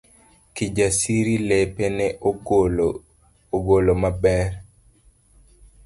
Kijasiri lepe ne ogolo maber